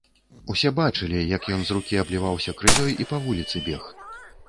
Усе бачылі, як ён з рукі абліваўся крывёй і па вуліцы бег.